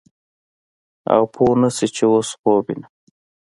او پوه نه سې چې اوس خوب وينم.